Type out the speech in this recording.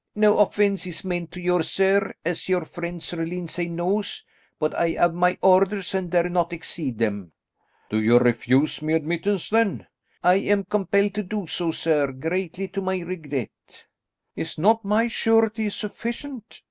"No offence is meant to you, sir, as your friend Sir Lyndsay knows, but I have my orders and dare not exceed them." "Do you refuse me admittance then?" "I am compelled to do so, sir, greatly to my regret." "Is not my surety sufficient?"